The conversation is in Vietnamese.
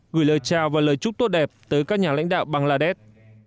gửi lời chào và lời chúc tốt đẹp tới các nhà lãnh đạo bangladesh